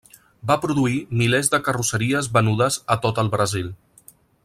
Va produir milers de carrosseries venudes a tot el Brasil.